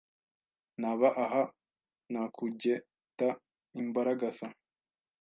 Naba aha nakugetaImbaragasa